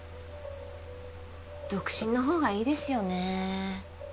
独身の方がいいですよねえ